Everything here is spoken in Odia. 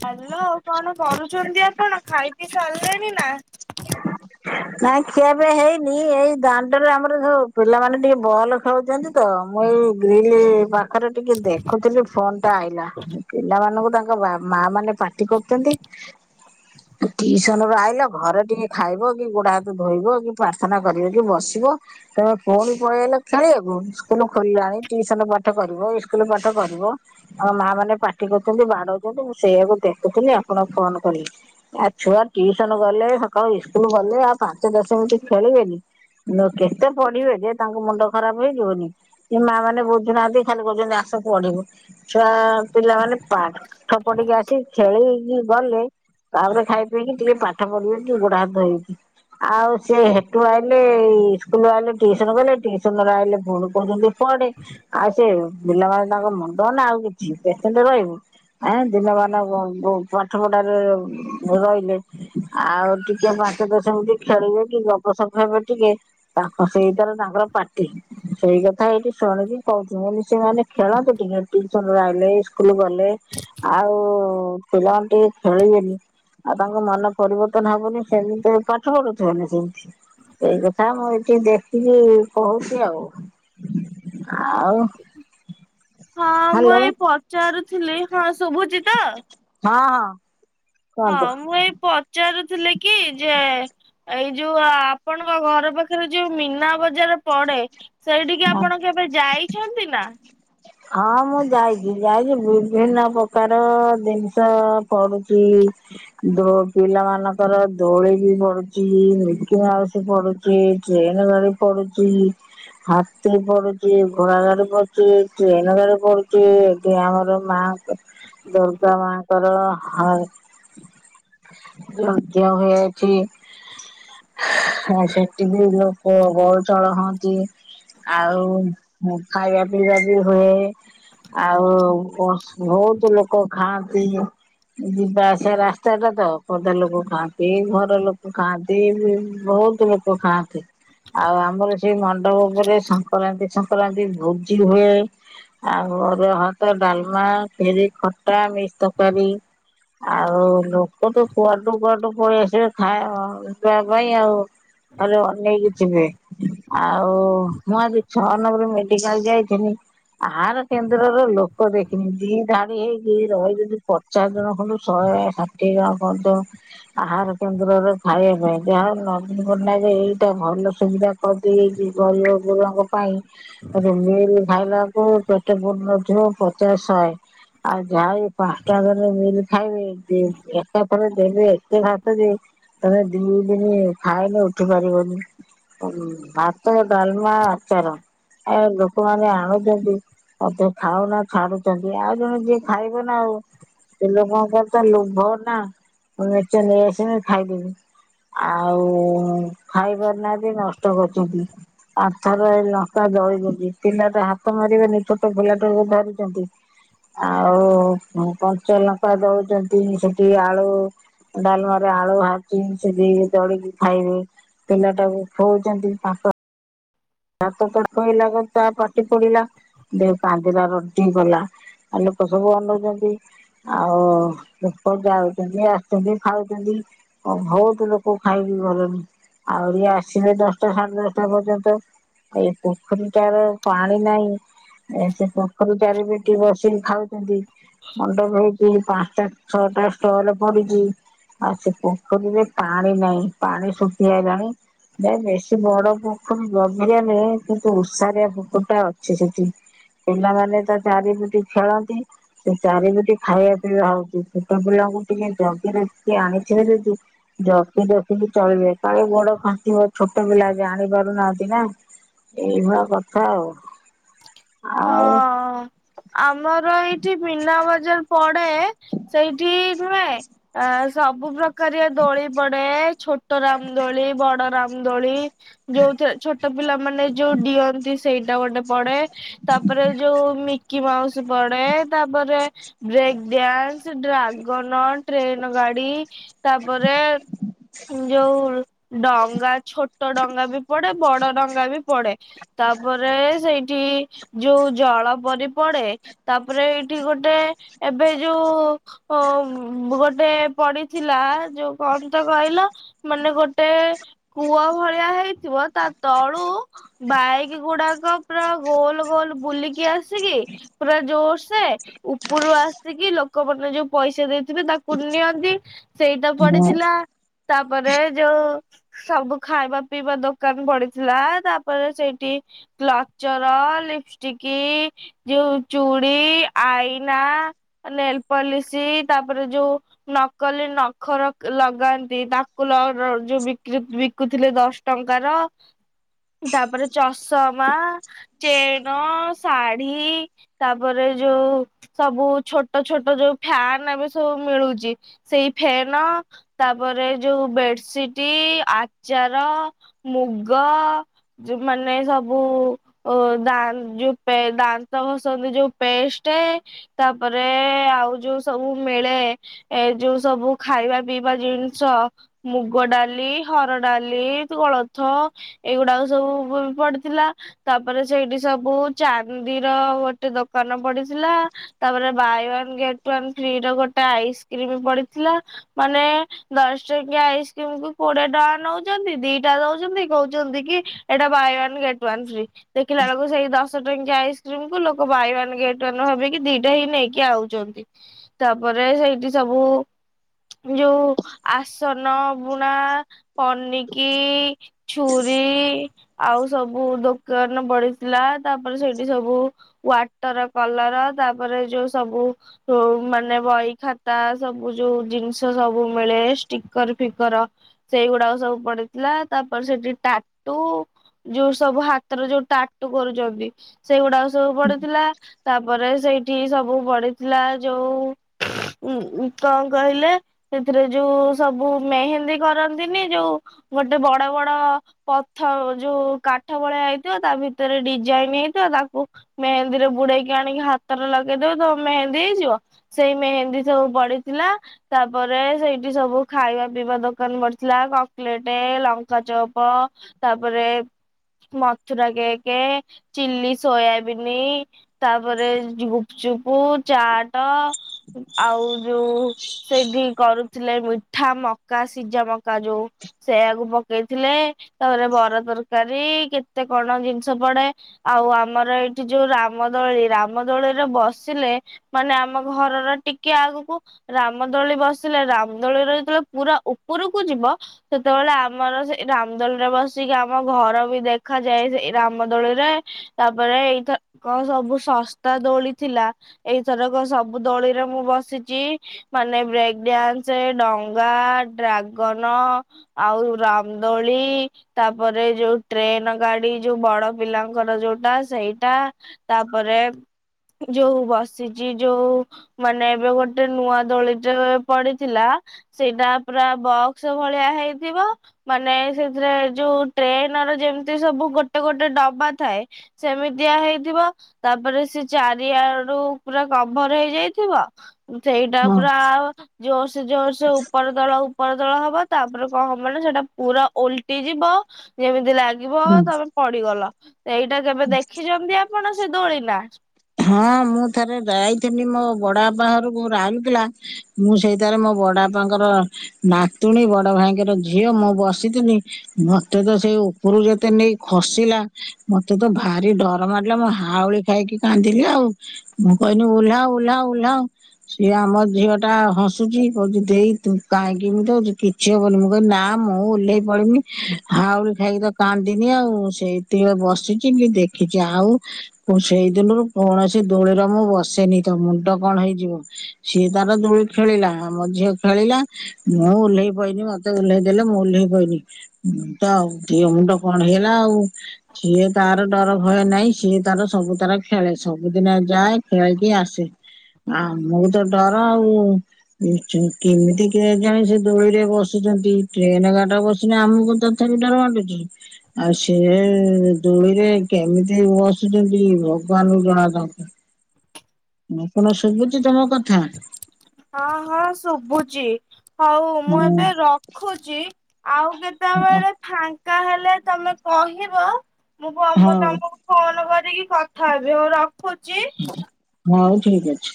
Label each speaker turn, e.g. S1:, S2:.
S1: ହାଲୋ କଣ କରୁଛନ୍ତି ଆପଣ? ଖାଇ ପିଇ ଚାଲିଲଣିି ନା?
S2: ନାଇଁ ଖିଆ ପିଆ ହେଇନି ଏଇ ଦାଣ୍ଡରେ ଆମର ସବୁ ପିଲାମାନେ ଟିକେ ବଲ ଖେଳୁଛନ୍ତି ତ। ମୁଁ ଏଇ ଗ୍ରିଲ ପାଖରେ ଟିକେ ଦେଖୁଥିଲି ଫୋନ ଟା ଆଇଲା ପିଲାମାନଙ୍କୁ ତାଙ୍କ ବା ମା ମାନେ ପାାର୍ଟି କରୁଛନ୍ତି। ଟିସନ ରୁ ଆଇଲ ଘରେ ଟିକେ ଖାଇବ। ଗୋଡା ହାତ ଧୋଇବ କି ପ୍ରାର୍ଥନା କରିବ କି ବସିବ ତମେ ପୁଣି ପଳେଇଲେ ଖେଳିବାକୁ। ଖୋଲିଲାଣି ଟିୁସନ ପାଠ କରିବ ଇ ସ୍କୁଲ ପାଠ କରିବ ଆମ ମା ମାନେ ପାଠ କରୁଛନ୍ତି ବାଡଉଛନ୍ତି। ମୁଁ ସେଇଆକୁ ଦେଖୁଥିଲି ଆପଣଙ୍କୁ ଫୋନ କଲି ଆ ଛୁଆ ଟିଉସନ ଗଲେ ସକାଳୁ ଇ ଲ ଗଲେ ଆଉ ପାଞ୍ଚ ଦଶ ମି ନି ଟ୍ ଖେଳିବେନି। ଲୋ କେତେ ପଢିବେ ଯେ ତାଙ୍କ ମୁଣ୍ଡ ଖରାପ ହେଇଯିବନି ସେ ମା ମାନେ ବୁଝୁନାହାନ୍ତି ଖାଲି କହୁଛନ୍ତି ଆ ପଢିବୁ ଛୁଆ ପିଲାମାନେ ପାଠ ପଢିକି ଆସିିକ ଖେଳିକି ଗଲେ। ତାପରେ ଖାଇ ପିଇକି ଟିକେ ପାଠ ପଢିବେ କି ଗୋଡା ହାତ ଧୋଇବେ। ଆଉ ସେ ହେଠୁ ଆଇଲେ ଇ ସ୍କୁଲ ଆ ଇ ଲେ ଟିସନ କଲେ ଟିସନ ଆଇଇେ ଫୁନି କହୁଛନ୍ତି କୁଆଡେ ଆଉ ସେ ପିଲାମାନେ ତାଙ୍କ ମୁଣ୍ଡ ନା ଆଉ କିଛି ପେସେନ୍ସ ରହିବ। ଆଁଏ ଦିନମାନ ବଁ ବଁ ପାଠ ପଢାରେ ରହିଲେ ଆଉ ଟିକ କିଏ ପାଞ୍ଚଦଶ ମିନିଟ୍ ଖେଳିବେ କି ଗପସପ ହେବେ ଟିକେ ତାଙ୍କ ସେଇଥିରେ ତାଙ୍କର ପାଟି। ସେଇ କଥା ଏଇଠି ଶୁଣିକି କହୁଚି ମୁଁ କହିଲି ସେ ମାନେ ଖେଳନ୍ତୁ ଟିକେ ଟ୍ୟୁସନ ଋ ଆଇଲେ ଇସ୍କୁଲୁ ଗଲେ ଆଉ ପିଲାମାନେ ଟିକେ ଖେଳିବେନି ଆଉ ତାଙ୍କ ମନ ପରିବର୍ତ୍ତନ ହବ କେମିତି ସେମିତି ପାଠ ପଢୁଥିବନା ସେମିତି। ଏଇ କଥା ମୁଁ ଏଠି ଟିକେ ଦେଖିଲି କହୁଚି ଆଉ। ଆଉ
S1: ହଁ ମୁଁ
S2: ହ୍ୟାଲୋ
S1: ଏଇ ପଚାରୁଥିଲି ହଁ ଶୁଭୁଚିତ?
S2: ହଁ
S1: ହଁ ମୁଁ ଏଇ ପଚାରୁଥିଲି କି ଯେ ଏଇ ଯୋଉ ଆପଣଙ୍କ ଘର ପାଖରେ ଯୋଉ ମୀନା ବଜାର ପଡେ ସେଇଠିକି
S2: କୁହନ୍ତୁ
S1: ଆପଣ କେବେ ଯାଇଛନ୍ତି ନା?
S2: ହଁ ମୁଁ ଯାଇଚି ଯାଇଚି ବିଭିନ୍ନ ପ୍ରକାର ଜିନିଷ ପଡୁଚି। ଚି ଦୋ ପିଲା ମାନଙ୍କର ଦୋଳି ବି ପଡୁଚି ମିକି ମାଉସି ପଡୁଚି। ଟ୍ରେନ୍ ଗାଡି ପଡୁଚି। ହାତୀ ପଡୁଚି ଘୋଢା ଗାଡି ପଡୁଚି ଟ୍ରେନ୍ ଗାଡି ପଡୁଚି ଏଠି ଆମର ମା ଦୁର୍ଗା ମାଙ୍କର ହା ପ୍ରତିମା ହୋଇଅଛି। ଆ ସେଠିବିି ଲୋକ ଗହଳ ଚହଳ ହଅନ୍ତି। ଆଉ ଖାଇବା ପିଇବା ବି ହୁଏ। ଆଉ ପର୍ସ ବହୁତ ଲୋକ ଖାଆନ୍ତି। ଯିବା ଆସିବା ରାସ୍ତା ଟା ତ ପଦା ଲୋକ ଖାଆନ୍ତି ଘର ଲୋକ ଖାଆନ୍ତି ବି ବହୁତ ଲୋକ ଖାଆନ୍ତି ଆଉ ଆମର ସେଇ ମ ପାଟ ଉପରେ ସଂକ୍ରାନ୍ତି ସଂକ୍ରାନ୍ତି ଭୋଜି ହୁଏ ଆଉ ଅରୁଆ ଭାତ ଡାଲମା ଫେରି ଖଟା ମିସ୍ ତକାରୀ। ଆଉ ଲୋକ ତ କୁଆଡୁ କୁଆଡୁ ପଳେଇ ଆସିବେ ଖାଇବା ପିଇବା ପାଇଁ ଆଉ। ତାହଲେ ଅନେଇକି ଯିବେ। ଆଉ ମୁଁ ଆଜି ଛଅ ନବର ମେଡିକାଲ ଯାଇଥିଲି। ଆହାର କେନ୍ଦ୍ରର ଲୋକ ଦେଖିନି ଦି ଧାଡି ହେଇକି ରହି ଯଦି ପଚାଶ ଜଣ ଖଣ୍ଡୁ ଶହେ [unintelligible] ଷାଠି କଣ ଆହାର କେନ୍ଦ୍ରରେ ଖାଇବା ପାଇଁ ଯା ନବୀନ ପଟ୍ଟନାୟକ ଦିଟା ଭଲ ସୁବିଧା ପାଉ ନିତିଗରିବ ଗୁଙ୍କ ପାଇଁ ଗୋଟେ ମିଲି ଖାଇଲାକୁ ପେଟ ପୁରୁ ନଥିବ ପଚସ ଶହେ ଆଉ ଯାାଇ ପାଞ୍ଚଟା ମିଲ୍ ଖାଇବେ ଏକା ଥରେ ଦେବେ ଏତେ ଭାତ ଜେ ତମେ ଦି ଦିନ ଖାଇଲେ ଉଠି ପାରିବନି। ଭାତ ଡାଲମା ଆଚାର ଏ ଲୋକମାନେ ଆଣୁଛନ୍ତି। ଅଧ ଖାଉନା ଛାଡୁଛନ୍ତି ଆଉ ଜଣେ ଯିଏ ଖାଇବେ ନା ଆଉ ସେ ଲୋକଙ୍କ ତ ଲୋଭ ନା ମୁ ମଞ୍ଚେ ନେଇ ଆସିବି ଖାଇଦେବି। ଆଉ ଖାଇବାର ନା ବି ନଷ୍ଟ କରଛନ୍ତି। ଆଥରେ ଲଙ୍କା ଜଳି ଯଛି ପିଲାଟା ହାତ ମାରିବନି ଛୋଟ ପିଲାଟକୁ ଧରିଛନ୍ତି। ଆଉ କଞ୍ଚଲଙ୍କା ଦଉଛନ୍ତି ସେଠି ଆଳୁ ଡାଲୁଆ ରେ ଆଳୁ ହାଜିସିଜେଇ କିଦିଳିକି ଖାଇବେ ପିଲା ଟାକୁ ଖୁଉଛନ୍ତି। ଆ [inaudible] ହାତ [unintelligible] ହେଇଲା ଚା ପାଟି ପୋଡିଲା ସେ କାନ୍ଦିଲା ରଟି [inaudible] ଗଲା ଆଉ ଲୋକ ସବୁ ଅନଉଛନ୍ତି ଆଉ ଲୋକ ଯାଉଛନ୍ତି ଆସୁଛନ୍ତି ଖାଉଛନ୍ତି ଆଉ ବହୁତ ଲୋକ ଖାଇକି ଗଲେଣି। ଆହୁରି ଆସିବେ ଦଶଟା ସାଢେ ଦଶଟା ପର୍ଯ୍ୟନ୍ତ। ଏଇ ପୋଖରୀ ଟାର ପାଣି ନାହିଁ ଏଁ ସେ ପୋଖରୀ ଚାରିପିଟି ବସିକି ଖାଉଚନ୍ତି ମଣ୍ଡପ ହେଇଚି। ପୁଣି ପାଞ୍ଚଟା ଛଅଟା ଷ୍ଟଲ ପଡିଚି। ଆଉ ସେ ପୋଖରୀରେ ପାଣି ନାହିଁ ପାଣି ଶୁଖିଆଇଲାଣି। ବେ ବେଶୀ ବଡ ପୋଖରୀ ନୁହଁ ଗହିରିଆ ନହେଁ କିନ୍ତୁ ଓଷାରିଆ ପୋଖରୀ ଟା ଅଛି ସେଠି। ପିଲାମାନେ ତ ଚାରିପିଟି ଖେଳନ୍ତି ସେ ଚାରିପିଟି ଖାଇବା ପିଇବା ହଉଚି ଛୋଟ ପିଲା ଛୁଆଙ୍କୁ ଟିକେ ଜଗି ରଖି ଆଣିିଥିବେ ଯଦି ଜଗି ରଖିକି ଚଳିବେ କାଳେ ଗୋଡ଼ ଖ ଛୋଟ ପିଲା ଜାଣି ପାରୁନାହାନ୍ତି ନା ଏଇଭଳିଆ କଥା ଆଉ। ଆଉ
S1: ହଁ ଆମର ଏଇଠି ମୀନା ବଜାର ଡେ ସେଇଠି ହୁଏ ଆ ସବୁ ପ୍ରକାରିଆ ଦୋଳି ପଡେ ଛୋଟ ରାମ ଦୋଳି ବଡ ରାମ ଦୋଳି ଯୋଉଥିରେ ଛୋଟ ପିଲା ମାନେ ଯୋଉ ଡିଅନ୍ତି ସେଇଟା ଗୋଟେ ପଡେ। ତାପରେ ଯୋଉ ମିକିମାଉସ ପଡେ ତାପରେ ବ୍ରେକଡାନ୍ସ, ଡ୍ରା ଗନ ଟ୍ରେନ୍ ଗାଡି ତାପରେ ଯୋଉ ଡଙ୍ଗା ଛୋଟ ଡଙ୍ଗା ବି ପଡେ ବଡ ଡଙ୍ଗା ବି ପଡେ। ତାପରେ ସେଇଠି ଯୋଉ ଜଳ ପରୀ ପଡେ ତାପରେ ଏଇଠି ଗୋଟେ ଏବେ ଯୋଉ ଅଉ ଗୋଟେ ପଡିଥିଲା ଯୋଉ କଣ ତ କହିଲ ମାନେ ଗୋଟେ କୂଅ ଭଳିଆ ହେଇଥିବ ତା ତଳୁ ବାଇକ୍ ଗୁଡାକ ପୁରା ଗୋଲ ଗୋଲ ବୁଲିକି ଆସିକି ପୁରା ଜୋର ସେ ଉପରୁ ଆସିକି ଲୋକ ମାନେ ଯୋଉ ପଇ ପଇସା ଦେଇିଥିବେ ତାକୁ ନିଅନ୍ତି ସେଇଟା ପଡିଥିଲା। ତାପରେ ଯୋଉ ସବୁ ଖାଇବା ପିଇବା ଦୋକାନ ପଡ଼ିଥିଲା ତାପରେ ସେଇଠି କ୍ଳଚର, ଲିପ୍ ଷ୍ଟିକି ଯୋଉ ଚୁଡି, ଆଇନା, ନେଲପଲିସି। ତାପରେ ଯୋଉ ନକଲି ନଖ ଲଗାନ୍ତି ତାକୁଲ ଯୋଉ ବିକ୍ରି। ବିକୁଥିଲେ ଦଶଟଙ୍କାର ତାପରେ ଚଷମା ଚେ ଶାଢୀ ତାପରେ ଯୋଉ ସବୁ ଛୋଟ ଛୋଟ ଯୋଉ ଫ୍ୟାନ। ସବୁ ସବୁ ମିଳୁଛି ସେଇ ଫେନ୍ ତାପରେ ଯୋଉ ବେଡସିଟି ଆଚାର, ମୁଗ ମାନେ ସବୁ ଦା ଯୋଉ ପେ ଦାନ୍ତ ଘସନ୍ତି ଯୋଉ ପେଷ୍ଟେ ତାପରେ ଆଉ ଯୋଉ ସବୁ ମିଳେ। ଏ ଯୋଉ ସବୁ ଖାଇବା ପିଇବା ଜିନିଷ ମୁଗ ଡାଲି ହର ଡାଲି କୋଳଥ ଏଗୁଡାକ ସବୁ ପଡିଥିଲା। ତାପରେ ସେଇଠି ସବୁ ଚାନ୍ଦିର ଗୋଟେ ଦୋକାନ ପଡିଥିଲା ତାପରେ ବାଏ ୱାନ୍ ଗେଟ ୱାନ୍‌। [inaudible] ଗୋଟେ ଆଇସକ୍ରିମ ପଡିଥିଲା ମାନେ ଦଶଟଙ୍କିଆ ଆଇସକ୍ରିମକୁ କୋଡିଏ ଟ [inaudible] ନଉଛନ୍ତି ଦିଟା ଦଉଛନ୍ତି କହୁଛନ୍ତି କି ଏଇଟା buy one get one free ଦେଖିଲା ବେଳକୁ ସେଇ ଦଶ ଟଙ୍କିଆ ଆଇସ୍କ୍ରିମ କୁ ଲୋକ ବାଏ ୱାନ୍‌ ଗେଟ୍ ୱାନ୍ ଭାବିକି ଦିଟା ହିଁ ନେଇକି ଆଉଛନ୍ତି। ତାପରେ ସେଇଠି ସବୁ। ଯୋଉ ଆସନ ବୁଣା, ପନିକି। ଛୁରୀ ଆଉ ସବୁ ଦୋକାନ ବଳି। ଥିଲା ତାପରେ ସେଇଠି ସବୁ ୱାଟର କଲର ତାପରେ ଯୋଉ ସବୁ। ମାନେ ବହିଖାତା ସବୁ ଯୋଉ ଜିନିଷ ସବୁ ମିଳେ ଷ୍ଟିକର ଫିକର ସେ ଏଇଗୁଡାକ ସବୁ ପଡିଥିଲା। ତାପରେ ସେଠି ଟାଟୁ, ଯୋଉ ସବୁ ହାତର ଯୋଉ ଟାଟୁ। [inaudible] କରୁଛନ୍ତି ସେଇଗୁଡାକ ସବୁ ପଡିଥିଲା ତାପରେ ସେଇ ଏଠି ସବୁ ପଢିଥିଲା ଯୋଉ ଉ କଣ କହିଲେ ସେଥିରେ ଯୋଉ ସବୁ ମେହେନ୍ଦୀ କରନ୍ତିନି ଯୋଉ ଗୋଟେ ବଡ ବଡ ପଥ ଯୋଉ କାଠ ଭଳିଆ ହେଇଥିବ ତା ଭିତ ହାତରେ ଡିଜାଇନ ହେଇଥିବ ତାକୁ ମେହେନ୍ଦୀରେ ବୁଡେଇକି ଆଣିକି ହାତରେ ଲଗେଇଦେବେ ତୋ ମେହେନ୍ଦୀ ହେଇଯିବ। ସେଇ ମେହେନ୍ଦୀ ସବୁ ପଡିିଥିଲା ତାପରେ ସେଇଠି ସବୁ ଖାଇବା ପିଇବା ଦୋକାନ ପଡି ଥିଲା କକୋଲେଟେ ଲଙ୍କାଚପ୍ ତାପରେ ମଥୁରା କେକ୍ କେ ଚିଲି ସୋୟାବିନି ତାପରେ ଗୁପଚୁପୁ ଚାଟ ହଁ। ଆଉ ଯୋଉ ସେବି କରୁଥିଲେ ମିଠାମକା ସିଜାମକା ଯୋଉ ସେୟାକୁ ପକେଇଥିଲେ ତାପରେ ବରା ତରକାରୀ କେତେ କଣ ଜିନିଷ ସେପଟେ ଆଉ ଆମର ଏଇଠି ଯୋଉ ରାମଦୋଳି ରାମଦୋଳିରେ ବସିଲେ ମାନେ ଆ ଆମ ଘରର ଟିକେ ଆଗକୁ ରାମଦୋଳି ବସିଲେ ରାମଦୋଳିରେ ଯେତେବେଳେ ପୁରା ଉପୁରକୁ ଯିବ ସେତେବେଳେ ଆମର ସେ ରାମଦୋଳିରେ ବସିକି ଆମ ଘର ବି ଦେଖାଯାଏ ସେଇ ଦୋଳିରେ ତାପରେ ଏଇଥରକ ସବୁ ଶସ୍ତା ଦୋଳି ଥିଲା ଏଇଥରକ ସ ସବୁ ଦୋଳିରେ ମୁଁ ବସିଚି ମାନେ ବ୍ରେକଡ୍ୟାନ୍ସ ଡଙ୍ଗା ଡ୍ରାଗନ ନ ଆଉ ରାମଦୋଳି ତାପରେ ଯୋଉ ଟ୍ରେନ ଗାଡି ଯୋଉ ବଡ ପିଲାଙ୍କର ଯୋଉଟା ସେଇଟା ତାପରେ ଯୋଉ ବସିଚି ଯୋଉ ମାନେ ଏବେ ଗୋଟେ ନୂଆ ଦୋଳିଟେ ପଡିଥିଲା ସେଇଟା ପୁରା ବକ୍ସ ଭଳିଆ ହେଇଥିବ ମାନେ ସେଇଥିରେ ଯୋଉ ଟ୍ରେନ ତାର ଯେମିତି ସବୁ ଗୋ ଗଟେ ଗୋଟେ ଡବା ଥାଏ ସେମିତିଆ ହେଇଥିବ ତାପରେ ସେ ଚାରିଆଡୁ ପୁରା କଭର ହେଇଯାଇଥିବ ସେଇଟା
S2: ହଁ
S1: ପୁରା ଜୋର ସେ ଜୋର ସେ ଉପର ତଳ ଉପର ଉପର ତଳ ହବ ତାପରେ କଣ ହବାନ ସେଟା ପୁରା ଓଲଟି ଯିବ ଯେମିତି ଲାଗିବ
S2: ହୁଁ
S1: ତମେ ଗଲ ଏଇଟା କେବେ ଦେଖିଛନ୍ତି ଆପଣ ସେ ଦୋଳି ନା?
S2: ହଁ ମୁଁ ଥରେ ଯାଇଥିଲି ମୋ ବଡବାପା ଘରକୁ ରାଉରକେଲା ମୁଁ ସେଇଥିରେ ମୋ ବଡପାଙ୍କର ନାତୁଣୀ ବଡଭାଇଙ୍କର ଝିଅ ମୁଁ ବସିଥିଲି ମତେ ତ ସେଇ ଉପରୁ ଯେତେ ନେଇ ଖସିଲା ମତେ ତ ଭାରି ଡର ମାଡ଼ିଲା ମୁଁ ହାଉଳି ଖାଇକି କାନ୍ଦିଲି ଆଉ ମୁଁ କହିଲି ଓହ୍ଲା ଓହ୍ଲା ଓହ୍ଲାଅ ସିଏ ଆମ ଝିଅଟା ହସୁଚି କହୁଚି ଦେଇ ତୁ କାହିଁକି ଏମିତି ହଉଚୁ କିଛି ହବନି ମୁଁ କହିଲି ନା ମୁଁ ଓହ୍ଲେଇ ପଡିମି ହାଉଳି ଖାଇକି ତ କାନ୍ଦିନି ଆଉ ସେଇଟିକେ ବସିଚି ବି ଦେଖି ଚି ହଉ ଉ ସେଇ ଦିନରୁ କୌଣସି ଦୋଳିର ମୁଁ ବସେନିତ ମୁଣ୍ଡ କଣ ହେଇଯିବ ସିଏ ତାର ଦୋଳି ଖେଳିଲା ଆମ ଝିଅ ଖେଳିଲା ମୁଁ ଓହ୍ଲେଇ ପଇଲି ମତେ ଓହ୍ଲେଇ ଦେଲେ ମୁଁ ଓହ୍ଲେଇ ପଇଲି ତ ଆଉ ଦିହ ମୁଣ୍ଡ କଣ ହେଇଗଲା ଆଉ ସିଏ ତାର ଡର ଭୟ ନାହିଁ ସିଏ ତାର ସବୁ ତାର ଖେଳେ ସବୁଦିନ ଯାଏ ଖେଳିକି ଆସେ ଆମକୁ ତ ଡର ଆଉ। ନି ଚ କେମିତି କେଜାଣି ସେ ଦୋଳିରେ ବସୁଚନ୍ତି ଟ୍ରେନ ଗାଡ଼ିରେ ତ ବସିନେ ଆମକୁ ତ ଛା ତି ଡର ମାଡୁଚି ଆଉ ସିଏ ଦୋଳିରେ କେମିତି ବସୁଚନ୍ତି ଭ ଗବାନ ଜଣା ଥବ। ମୁଁ କଣ ଶୁଭୁଚି ତମ କଥା।
S1: ହଁ ହଁ ଶୁଭୁଚି ହଉ ମୁଁ
S2: ହଁ
S1: ଏବେ ରଖୁଚି ଆଉ କେତେବେଳେ ଫାଙ୍କା ହେଲେ ତମେ କହିବ। ମୁଁ ପମ
S2: ହଉ
S1: ତମକୁ ଫୋନ କରିକି କଥା ହେବି ହଉ ରଖୁଚି।
S2: ହଉ ଠିକ ଅଛି।